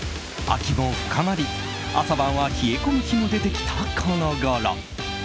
秋も深まり、朝晩は冷え込む日も出てきたこのごろ。